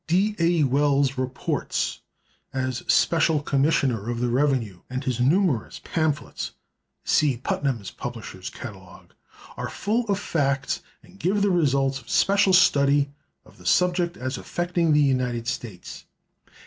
D. A. Wells's "Reports" as Special Commissioner of the Revenue, and his numerous pamphlets (see Putnams' publisher's catalogue), are full of facts, and give the results of special study of the subject as affecting the United States.